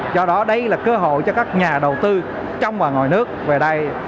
do đó đây là cơ hội cho các nhà đầu tư trong và ngoài nước về đây